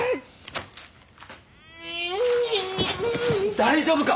大丈夫か！？